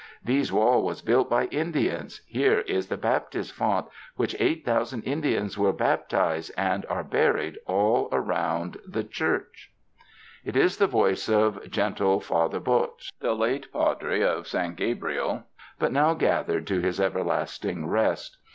These wall was built by Indians; here is the baptis' font which eight thousand Indians were baptise', and are buried all around the chorch." 158 THE FRANCISCAN MISSIONS It is the voice of gentle Father Bot, late Padre of San Gabriel but now gathered to his everlasting rest.